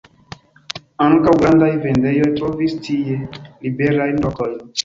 Ankaŭ grandaj vendejoj trovis tie liberajn lokojn.